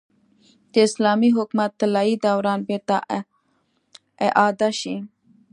د اسلامي حکومت طلايي دوران بېرته اعاده شي.